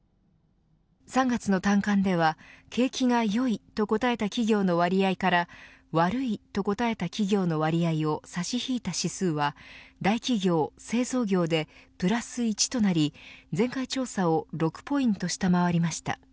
３月の短観では景気がよいと答えた企業の割合から悪いと答えた企業の割合を差し引いた指数は大企業・製造業でプラス１となり、前回調査を６ポイント下回りました。